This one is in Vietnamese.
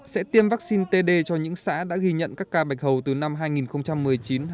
sẽ tiêm vaccine td cho những xã đã ghi nhận các ca bạch hầu từ năm hai nghìn một mươi chín hai nghìn hai mươi